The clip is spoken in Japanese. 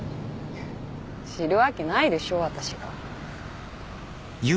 知るわけないでしょ私が。